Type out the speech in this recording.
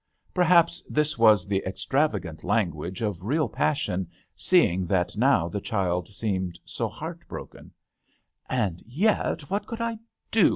Perhaps this was the extravagant language of real passion, seeing that now the child seemed so heartbroken, "And yet, what could I do?